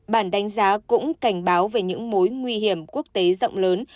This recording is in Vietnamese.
bản đánh giá cũng cảnh báo về những mối nguy hiểm quốc tế rộng lớn